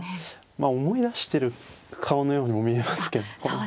まあ思い出してる顔のようにも見えますけどね。